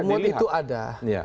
diplomasi yang tiap dilihat